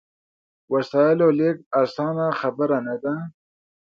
وسایلو لېږد اسانه خبره نه ده.